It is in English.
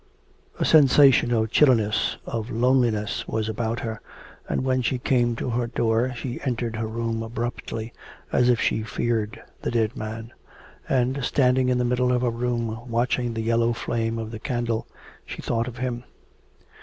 A sensation of chilliness, of loneliness was about her, and when she came to her door she entered her room abruptly, as if she feared the dead man. And, standing in the middle of her room watching the yellow flame of the candle, she thought of him.